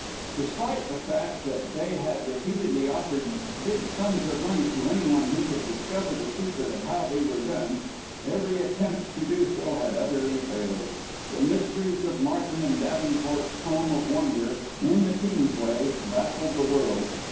Despite the fact that they had repeatedly offered big sums of money to any one who could discover the secret of how they were done, every attempt to do so had utterly failed. The Mysteries of Martin and Davenport's Home of Wonder, in the Kingsway, baffled the world.